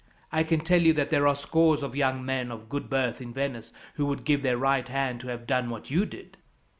I can tell you that there are scores of young men of good birth in Venice, who would give their right hand to have done what you did."